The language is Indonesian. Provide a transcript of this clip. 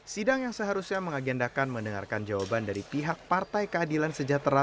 sidang yang seharusnya mengagendakan mendengarkan jawaban dari pihak partai keadilan sejahtera